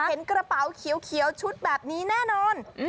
เห็นกระเป๋าเขียวชุดแบบนี้แน่นอน